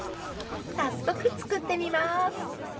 早速作ってみます。